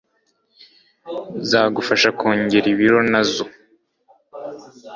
zagufasha kongera ibiro nazo